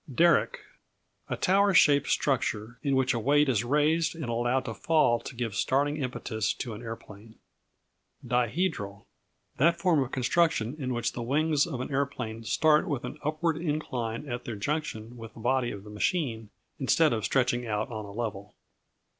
Derrick A tower shaped structure in which a weight is raised and allowed to fall to give starting impetus to an aeroplane. Dihedral That form of construction in which the wings of an aeroplane start with an upward incline at their junction with the body of the machine, instead of stretching out on a level.